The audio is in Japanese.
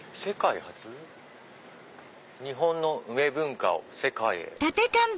「日本の梅文化を世界へ」。